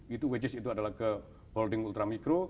itu wages itu adalah ke holding ultra mikro